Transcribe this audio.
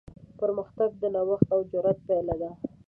پرمختګ د نوښت او جرات پایله ده.